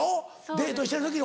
デートしてる時に。